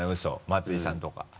松井さんとか。